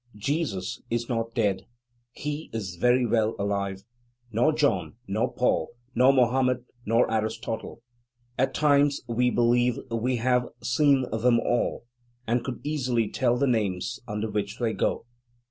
Jesus is not dead, he is very well alive: nor John, nor Paul, nor Mahomet, nor Aristotle; at times we believe we have seen them all, and could easily tell the names under which they go."